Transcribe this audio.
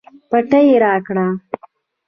پټۍ راکړه